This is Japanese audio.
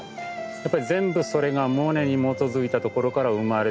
やっぱり全部それがモネに基づいたところから生まれてきてる。